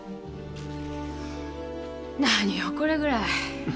何よこれぐらい。